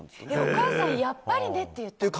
お母さんやっぱりねって言ったの？